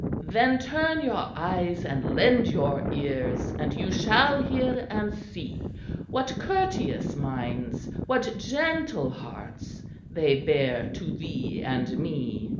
Then turn your eyes and lend your ears And you shall hear and see What courteous minds, what gentle hearts, They bear to thee and me!